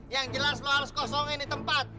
yang jelas lo harus kosongin di tempat